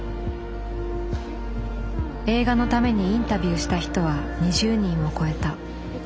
映画のためにインタビューした人は２０人を超えた。